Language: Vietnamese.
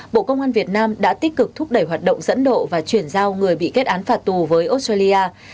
bộ công an việt nam đã tích cực thúc đẩy hoạt động dẫn độ và chuyển giao người bị kết án phạt tù với australia